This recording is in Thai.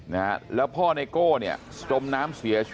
นะฮะแล้วพ่อไนโก้เนี่ย